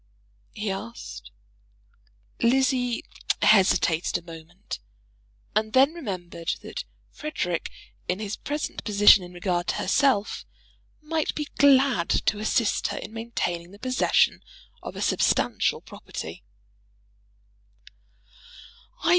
he asked. Lizzie hesitated a moment, and then remembered that "Frederic," in his present position in regard to herself, might be glad to assist her in maintaining the possession of a substantial property.